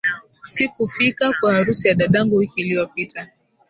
Sikufika kwa harusi ya dadangu wiki iliyopita